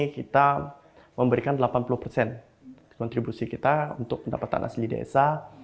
kita memberikan delapan puluh persen kontribusi kita untuk pendapatan asli desa